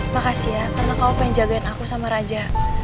makasih ya karena kau pengen jagain aku sama raja